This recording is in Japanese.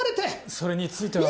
それについては。